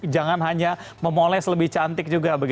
jangan hanya memoles lebih cantik juga